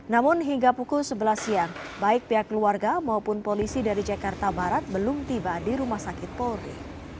namun hingga pukul sebelas siang baik pihak keluarga maupun polisi dari jakarta barat belum tiba di rumah sakit polri